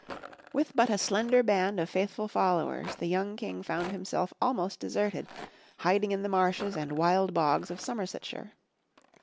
With but a slender band of faithful followers, the young King found himself almost deserted, hiding in the marshes and wild bogs of Somersetshire.